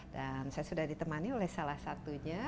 dan saya sudah ditemani oleh salah satunya